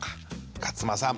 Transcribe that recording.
勝間さん。